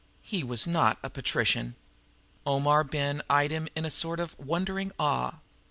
He was not a patrician. Omar Ben eyed him in a sort of wondering awe.